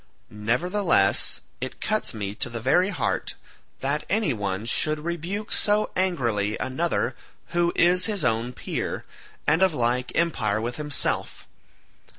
Nevertheless it cuts me to the very heart that any one should rebuke so angrily another who is his own peer, and of like empire with himself.